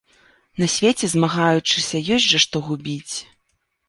На свеце, змагаючыся, ёсць жа што губіць!